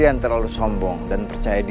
yang terlalu sombong dan percaya diri